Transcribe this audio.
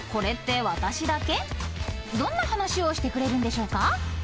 ［どんな話をしてくれるんでしょうか？］